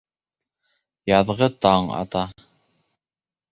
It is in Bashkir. Яҙғы таң ата.